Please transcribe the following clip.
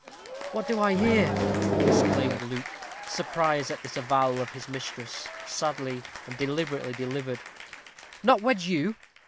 "What do I hear?" exclaimed Luke, surprised at this avowal of his mistress, sadly and deliberately delivered. "Not wed you!